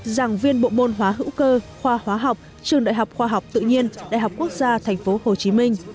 giảng viên bộ môn hóa hữu cơ khoa hóa học trường đại học khoa học tự nhiên đại học quốc gia tp hcm